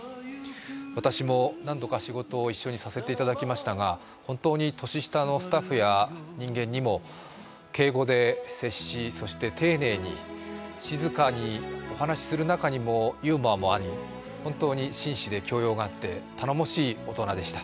私も、何度か仕事を一緒にさせていいただきましたが本当に年下のスタッフや人間にも敬語で接しそして丁寧に静かにお話しする中にもユーモアもあり本当に真摯で頼もしい大人でした。